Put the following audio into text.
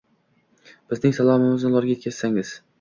Bizning salomimizni ularga yetkazsangiz.